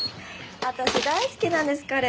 私大好きなんです彼。